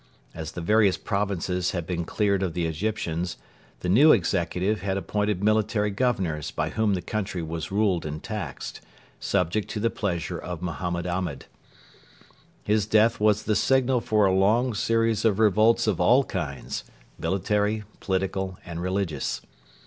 As the various provinces had been cleared of the Egyptians, the new Executive had appointed military governors by whom the country was ruled and taxed, subject to the pleasure of Mohammed Ahmed. His death was the signal for a long series of revolts of all kinds military, political, and religious.